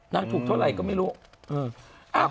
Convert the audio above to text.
นั่งถูกเท่าไรก็ไม่รู้